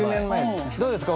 どうですか？